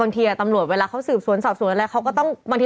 บางทีอ่ะตำรวจเวลาเค้าสืบสวนสอบส่วนอะไร